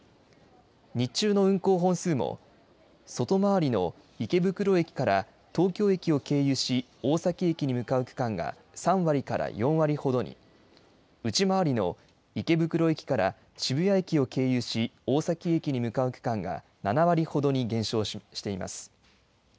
日中の運行本数も、外回りの池袋駅から東京駅を経由し大崎駅に向かう区間が３割から４割ほどに、内回りの池袋駅から渋谷駅を経由し、大崎駅に向かう区間が７割ほどに減少しています。